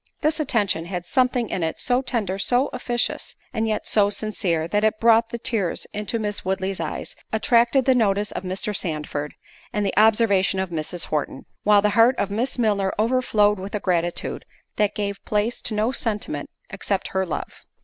This attention had something in it so tender, so officious, and yet so sincere, that it brought the tears into Miss Woodley's eyes, attracted the notice of Mr. Sandford, and the observation of Mrs. Horton; while the heart of Miss Milner overflowed with a gratitude, that gave place to no sentiment except her love.